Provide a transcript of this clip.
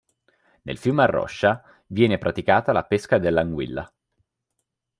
Nel fiume Arroscia viene praticata la pesca dell'anguilla.